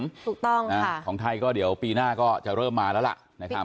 ถูกต้องของไทยก็เดี๋ยวปีหน้าก็จะเริ่มมาแล้วล่ะนะครับ